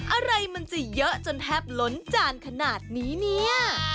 อะไรมันจะเยอะจนแทบหลนจานขนาดนี้